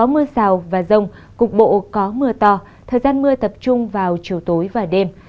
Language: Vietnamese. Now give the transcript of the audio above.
mưa rào và rông cục bộ có mưa to thời gian mưa tập trung vào chiều tối và đêm